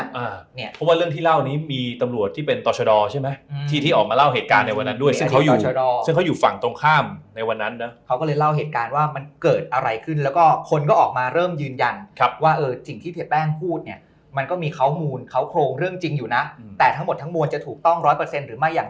เพราะว่าเรื่องที่เล่านี้มีตำรวจที่เป็นต่อชะดอใช่ไหมอืมที่ที่ออกมาเล่าเหตุการณ์ในวันนั้นด้วยซึ่งเขาอยู่ชะดอซึ่งเขาอยู่ฝั่งตรงข้ามในวันนั้นนะเขาก็เลยเล่าเหตุการณ์ว่ามันเกิดอะไรขึ้นแล้วก็คนก็ออกมาเริ่มยืนยันครับว่าเออสิ่งที่เสียแป้งพูดเนี่ยมันก็มีข้อมูลเขาโครงเรื่องจริงอยู่นะแต่ทั้งหมดทั้งมวลจะถูกต้องร้อยเปอร์เซ็นต์หรือไม่อย่าง